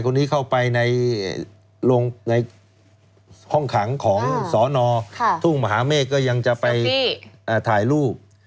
ก็ปีหนึ่งเลยครับในห้องขังของสนทุ่งมหาเมฆก็ยังจะไปถ่ายรูป